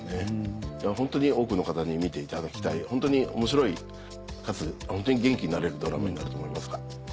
でもホントに多くの方に見ていただきたいホントに面白いかつホントに元気になれるドラマになると思います。